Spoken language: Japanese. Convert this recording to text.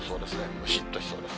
むしっとしそうです。